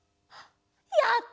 やった！